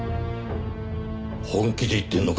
本気で言ってるのか？